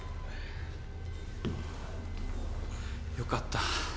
よかった。